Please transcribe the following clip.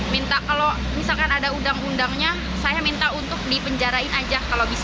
minta kalau misalkan ada undang undangnya saya minta untuk dipenjarain aja kalau bisa